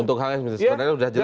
untuk hal yang sebenarnya sudah jelas